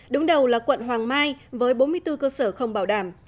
đúng đầu là quận hoàng mai với bốn mươi bốn cơ sở không bảo đảm